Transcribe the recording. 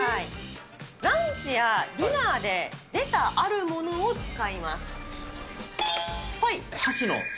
ランチやディナーで出たあるものを使います。